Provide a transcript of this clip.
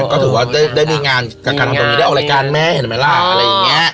ก็ถือว่าได้มีงานจากการทำคนนี้ได้ออกรายการแม่เห็นไหมล่ะอะไรอย่างนี้